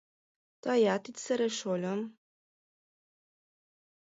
— Тыят ит сыре, шольым.